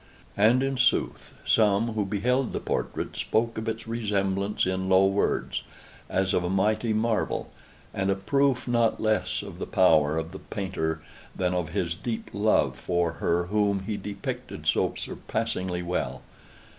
And in sooth some who beheld the portrait spoke of its resemblance in low words, as of a mighty marvel, and a proof not less of the power of the painter than of his deep love for her whom he depicted so surpassingly well.